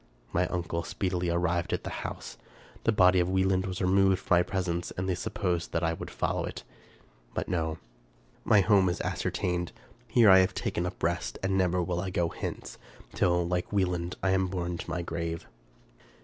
My uncle speedily arrived at the house. The body of Wieland was removed from my presence, and they sup posed that I would follow it; but no, my home is ascer tained; here I have taken up my rest, and never will I go hence, till, like Wieland, I am borne to my grave.